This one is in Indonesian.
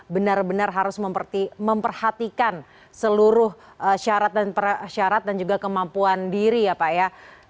benar benar harus memperhatikan seluruh syarat dan juga kemampuan diri ya pak ya